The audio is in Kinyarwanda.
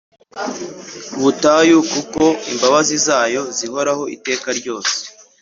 Butayu kuko imbabazi zayo zihoraho iteka ryose